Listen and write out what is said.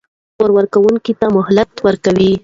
پور ورکوونکي ته مهلت ورکړئ.